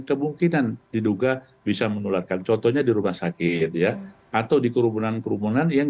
kemungkinan diduga bisa menularkan contohnya di rumah sakit ya atau di kerumunan kerumunan yang